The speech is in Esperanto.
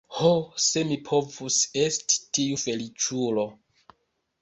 Ho, se mi povus esti tiu feliĉulo!